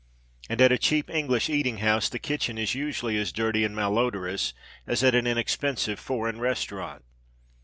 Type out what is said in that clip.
And at a cheap English eating house the kitchen is usually as dirty and malodorous as at an inexpensive foreign restaurant.